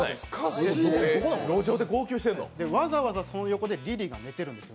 わざわざその横でリリーが寝てるんです。